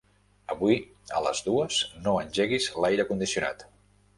Avui a les dues no engeguis l'aire condicionat.